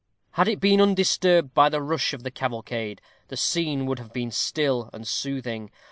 Had it been undisturbed by the rush of the cavalcade, the scene would have been still and soothing.